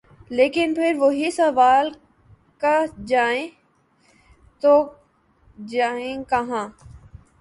لیکن پھر وہی سوال کہ جائیں تو جائیں کہاں۔